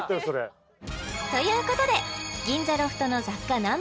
それということで銀座ロフトの雑貨Ｎｏ．１